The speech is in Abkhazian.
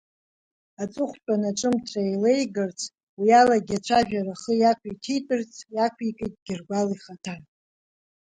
Аҵыхәтәан аҿымҭра еилеигарц, уиалагьы ацәажәара ахы иақәиҭитәырц иақәикит гьыргәал ихаҭа…